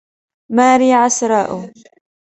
ماري عَسراء.